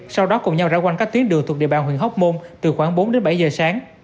sau đó cùng nhau rão quanh các tuyến đường thuộc địa bàn huyện hóc môn từ khoảng bốn đến bảy giờ sáng